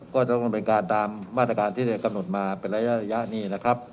ก็ต้องดำเนินการตามมาตรการที่ได้กำหนดมาเป็นระยะนี้นะครับ